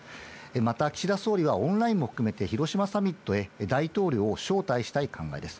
また岸田総理はオンラインも含めて、広島サミットへ、大統領を招待したい考えです。